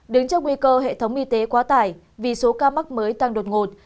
đứng trước nguy cơ hệ thống y tế quá tải vì số ca mắc mới tăng đột ngột